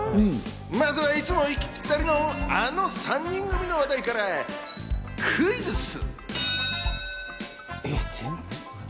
まずはいつも息ぴったりの、あの３人組の話題からクイズッス！